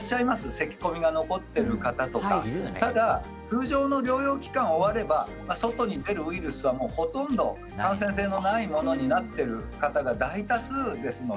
せき込みが残っている方とかただ通常の療養期間が終われば外に出るウイルスはほとんど感染性のないものになっている方が大多数です。